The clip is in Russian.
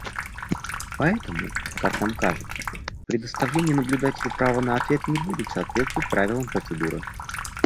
Поэтому, как нам кажется, предоставление наблюдателю права на ответ не будет соответствовать правилам процедуры.